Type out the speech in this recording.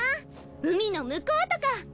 海の向こうとか！